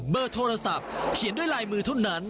เบอร์โทรศัพท์เขียนด้วยลายมือเท่านั้น